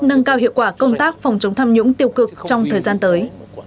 nâng cao hiệu quả công tác phòng chống tham nhũng tiêu cực trong thời gian tới